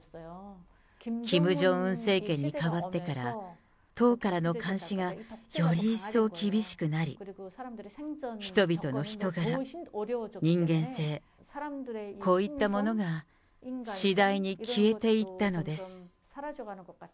キム・ジョンウン政権に代わってから、党からの監視がより一層厳しくなり、人々の人柄、人間性、こういったものが次第に消えていったのです。